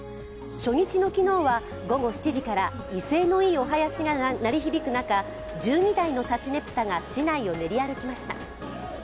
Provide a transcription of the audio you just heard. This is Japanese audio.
初日の昨日は午後７時から威勢のいいお囃子が鳴り響く中、１２台の立佞武多が市内を練り歩きました。